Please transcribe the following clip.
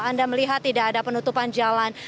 anda melihat tidak ada penutupan jalan